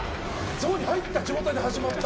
ゾーンに入った状態で始まった。